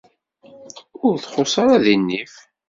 Ur txuṣ ara di nnif.